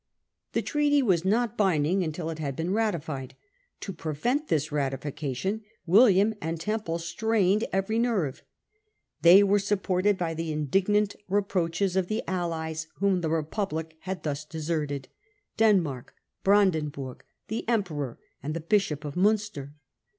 The treaty was not binding until it had been ratified. To prevent this ratification William and Temple strained Difficulty every nerve. They were supported by the with Spain, indignant reproaches of the allies whom the Republic had thus deserted — Denmark, Brandenburg, the Emperor, and the Bishop of Munster.